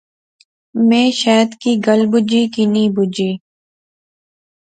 میں شیت کی گل بجی۔۔۔ کی نی بجی